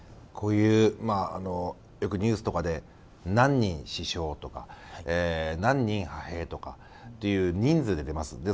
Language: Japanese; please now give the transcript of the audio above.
こういうよくニュースとかで何人死傷とか、何人派兵とか人数で出ます。